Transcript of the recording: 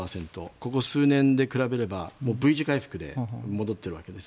ここ数年で比べればＶ字回復で戻ってるわけです。